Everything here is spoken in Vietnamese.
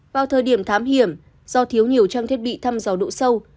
vào thời điểm thám hiểm do thiếu nhiều trang thiết bị thăm dò độ sâu